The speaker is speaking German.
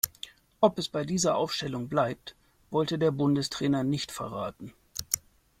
Ob es bei dieser Aufstellung bleibt, wollte der Bundestrainer nicht verraten.